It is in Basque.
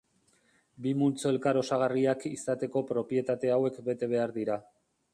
Bi multzo elkar osagarriak izateko propietate hauek bete behar dira.